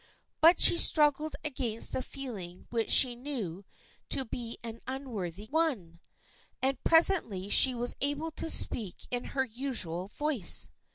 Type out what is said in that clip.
But she struggled against the feeling which she knew to be an unworthy one, and presently she was able to speak in her usual voice.